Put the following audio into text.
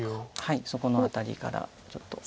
そこのアタリからちょっと。